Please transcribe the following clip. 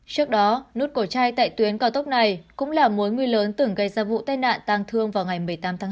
trước đó nút cổ chai tại tuyến cao tốc này cũng là mối nguy lớn tưởng gây ra vụ tai nạn tăng thương vào ngày một mươi tám tháng hai